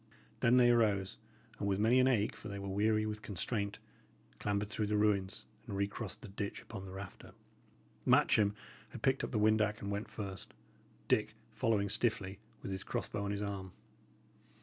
Then they arose, and with many an ache, for they were weary with constraint, clambered through the ruins, and recrossed the ditch upon the rafter. Matcham had picked up the windac and went first, Dick following stiffly, with his cross bow on his arm.